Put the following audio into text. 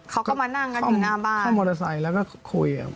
เขาก็มานั่งกันอยู่หน้าบ้านเข้ามอเตอร์ไซค์แล้วก็คุยอ่ะ